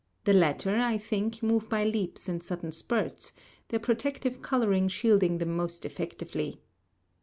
The latter, I think, move by leaps and sudden spurts, their protective coloring shielding them most effectively.